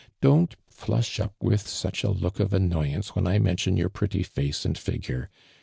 Don't flush up with such a look of annoyance when I mention your pretty face and figure.